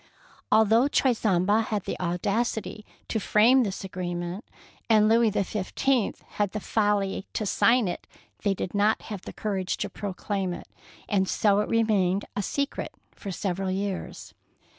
Although Choiseul had the audacity to frame this agreement, and Louis XV had the folly to sign it, they did not have the courage to proclaim it, and so it remained a secret for several years.